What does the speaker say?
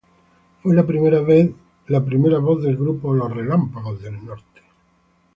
Fue la primera voz del grupo "Los Relámpagos del Norte".